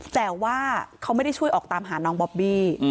แต่ว่าเขาไม่ได้ช่วยออกตามหาน้องบอบบี้